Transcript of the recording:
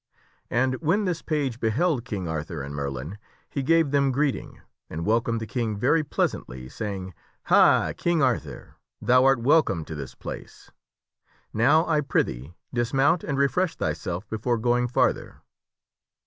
And when this page beheld King Arthur and Merlin, he gave them greeting, and welcomed the King very pleasantly saying, " Ha ! King Arthur, thou art welcome to this place. Now I prithee dismount and refresh thyself before going farther."